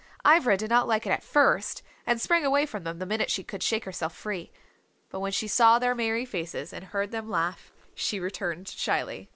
Ivra did not like it at first, and sprang away from them the minute she could shake herself free. But when she saw their merry faces and heard them laugh, she returned shyly.